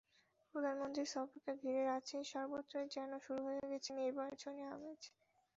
প্রধানমন্ত্রীর সফরকে ঘিরে রাজশাহীর সর্বত্রই যেন শুরু হয়ে গেছে নির্বাচনী আমেজ।